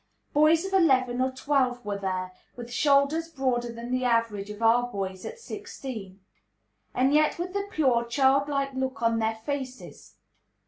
Boys of eleven or twelve were there, with shoulders broader than the average of our boys at sixteen, and yet with the pure, childlike look on their faces.